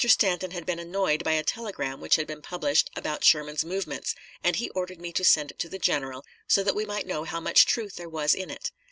Stanton had been annoyed by a telegram which had been published about Sherman's movements, and he ordered me to send it to the general, so that we might know how much truth there was in it.